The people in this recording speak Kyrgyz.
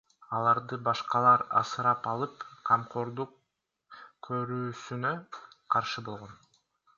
Аларды башкалар асырап алып, камкордук көрүүсүнө каршы болгон.